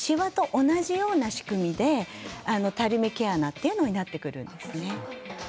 しわと同じいろんな仕組みでたるみ毛穴が必要になってくるんです。